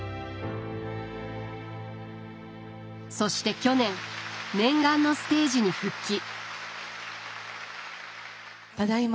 そして去年念願のステージに復帰。